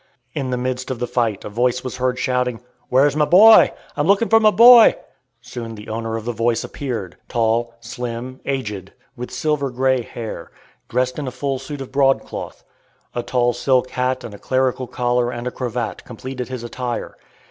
In the midst of the fight a voice was heard shouting, "Where's my boy? I'm looking for my boy!" Soon the owner of the voice appeared, tall, slim, aged, with silver gray hair, dressed in a full suit of broadcloth. A tall silk hat and a clerical collar and cravat completed his attire.